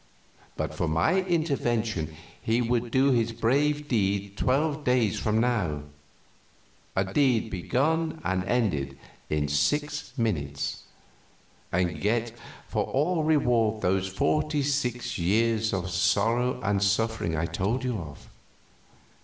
But for my intervention he would do his brave deed twelve days from now a deed begun and ended in six minutes and get for all reward those forty six years of sorrow and suffering I told you of.